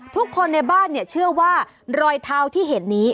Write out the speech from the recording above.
ทุกคนในบ้านเชื่อว่ารอยเท้าที่เห็นนี้